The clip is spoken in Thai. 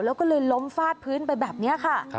แล้วก็เลยล้มฟาดพื้นไปแบบนี้ค่ะ